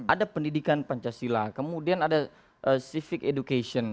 ada pendidikan pancasila kemudian ada civic education